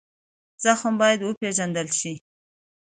زخم باید وپېژندل شي.